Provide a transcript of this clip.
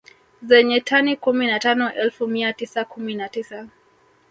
Zenye tani kumi na tano elfu mia tisa kumi na tisa